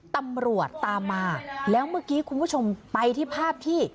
ตำรวจตามมาแล้วเมื่อกี้คุณผู้ชมไปที่ภาพที่